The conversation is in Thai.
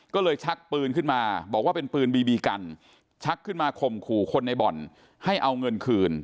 ก็เลยชักปืนขึ้นมาบอกว่าเป็นปืนบีบีกันชักขึ้นมาข่มขู่คนในบ่อนให้เอาเงินคืน